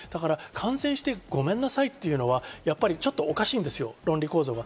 感染して、ごめんなさいっていうのは、ちょっとおかしいんですよ、論理構造が。